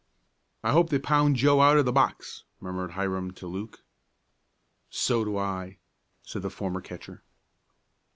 "I hope they pound Joe out of the box," murmured Hiram to Luke. "So do I," said the former catcher.